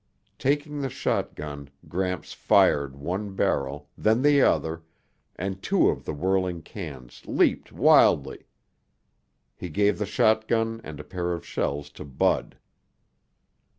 Taking the shotgun, Gramps fired one barrel, then the other, and two of the whirling cans leaped wildly. He gave the shotgun and a pair of shells to Bud.